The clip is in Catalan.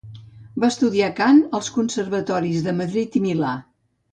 Va estudiar cant als conservatoris de Madrid i Milà.